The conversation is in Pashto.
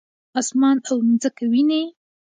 اسمان او مځکه وینې؟